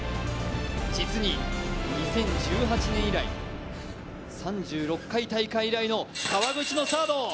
実に２０１８年以来、３６回大会以来の川口のサード。